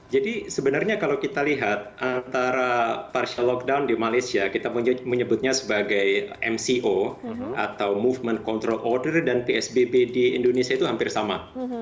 jadi sebenarnya kalau kita lihat antara partial lockdown di malaysia kita menyebutnya sebagai mco atau movement control order dan psbb di indonesia itu hampir sama